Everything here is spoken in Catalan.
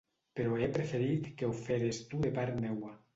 Però he preferit que ho feres tu de part meua.